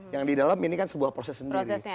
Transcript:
yang di dalam ini kan sebuah proses sendiri